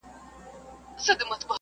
د ښووني پوهنځۍ بې له ځنډه نه پیلیږي.